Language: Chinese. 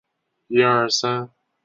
滇缅短尾鼩被发现在中国和缅甸。